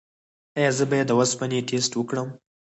ایا زه باید د اوسپنې ټسټ وکړم؟